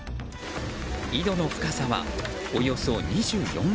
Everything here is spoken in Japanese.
井戸の深さは、およそ２４ｍ。